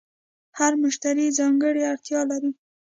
هر مشتری ځانګړې اړتیا لري.